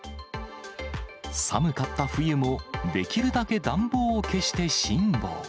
寒かった冬も、できるだけ暖房を消して辛抱。